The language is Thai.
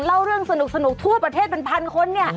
เล่าเรื่องสนุกทั่วประเทศเป็นพันคนเนี่ย